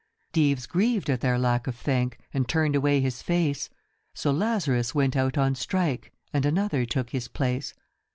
Dives grieved at their lack of thank, And turned away his face ; So Lazarus went out on strike, And another took his place.